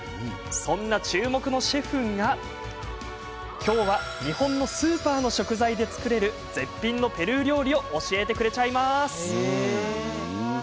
そんな注目のシェフが今日は、日本のスーパーの食材で作れる絶品のペルー料理を教えてくれちゃいます！